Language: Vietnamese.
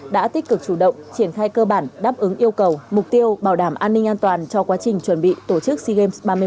đã tích cực chủ động triển khai cơ bản đáp ứng yêu cầu mục tiêu bảo đảm an ninh an toàn cho quá trình chuẩn bị tổ chức sea games ba mươi một